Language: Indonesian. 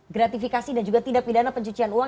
gratifikasi dan juga tindak tidak naham pencucian uang